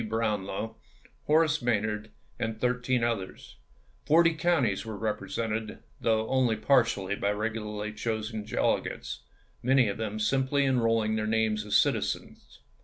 Brownlow, Horace May nard, and thirteen others; forty counties were represented, though only partially by regularly chosen delegates, many of them simply enrolling their names as citizens.